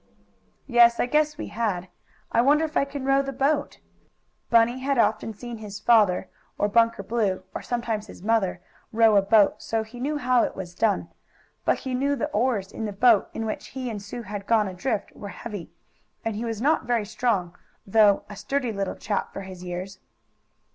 "Yes, I guess we had. I wonder if I can row the boat?" Bunny had often seen his father, or Bunker Blue, or sometimes his mother, row a boat, so he knew how it was done. But he knew the oars in the boat in which he and Sue had gone adrift were heavy, and he was not very strong, though a sturdy little chap for his years.